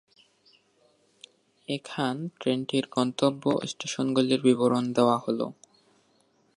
এখান ট্রেনটির গন্তব্য স্টেশনগুলির বিবরণ দেওয়া হল-